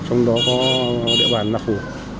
trong đó có địa bàn nạc hồ